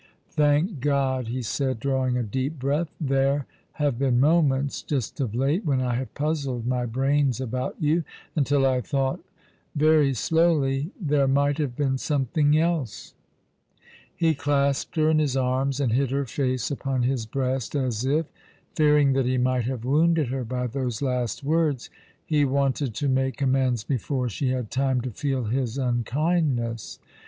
" Thank God !" he said, drawing a deep breath. " There have been moments — ^just of late — when I have puzzled my brains about you — until I thought —" very slowly, "there might have been something else." He clasped her in his arms, and hid her face upon his breast, as if — fearing that he might have wounded her by those last words — he wanted to make amends before she had time to feel his unkindness.